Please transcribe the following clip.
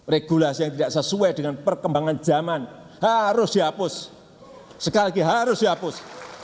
regulasi yang tidak sesuai dengan perkembangan zaman harus dihapus sekali lagi harus dihapus